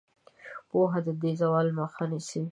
پوهه د دې زوال مخه نیسي.